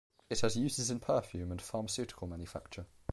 It has uses in perfume and pharmaceutical manufacture.